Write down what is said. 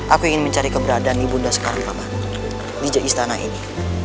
aku ingin mencari keberadaan ibu nda sekarang paman di istana ini